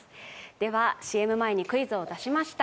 では、ＣＭ前にクイズを出しました。